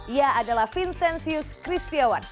ia adalah vincenzius kristiawan